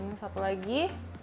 masukin satu lagi